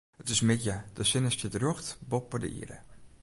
It is middei, de sinne stiet rjocht boppe de ierde.